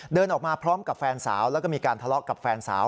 เดินออกมาพร้อมกับแฟนสาวแล้วก็มีการทะเลาะกับแฟนสาว